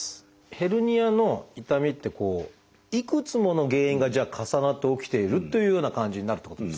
ヘルニアの痛みっていくつもの原因が重なって起きているというような感じになるってことですか？